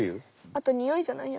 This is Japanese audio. あとにおいじゃない？